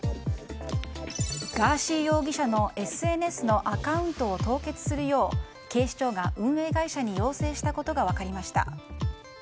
ガーシー容疑者のＳＮＳのアカウントを凍結するよう警視庁が運営会社に要請したことが分かりました。